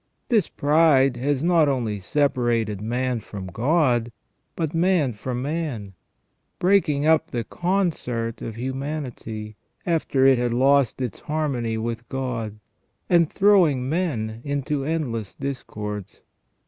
This pride has not only separated man from God, but man from man, breaking up the concert of humanity, after it had lost its harmony with God, and throwing men into endless discords.